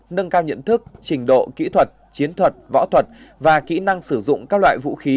nâng cao nhận thức trình độ kỹ thuật chiến thuật võ thuật và kỹ năng sử dụng các loại vũ khí